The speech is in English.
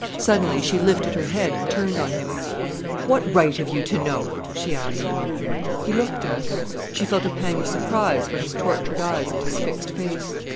Suddenly she lifted her head and turned on him. "What right have you to know?" she asked. He looked at her. She felt a pang of surprise for his tortured eyes and his fixed face.